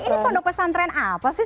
ini pondok pesantren apa sih